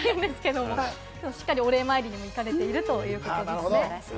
しっかりお礼参りに行かれているということです。